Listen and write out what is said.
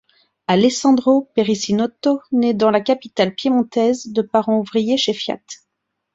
Alessandro Perissinotto naît dans la capitale piémontaise, de parents ouvriers chez Fiat.